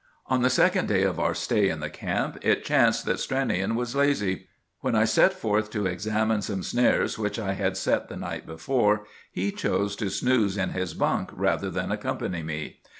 "On the second day of our stay in the camp, it chanced that Stranion was lazy. When I set forth to examine some snares which I had set the night before, he chose to snooze in his bunk rather than accompany me.